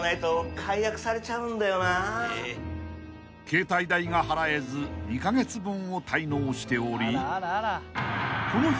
［携帯代が払えず２カ月分を滞納しており］